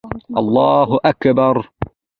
الله اکبر